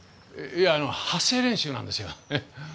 いやあの発声練習なんですよ。